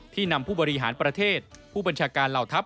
นำผู้บริหารประเทศผู้บัญชาการเหล่าทัพ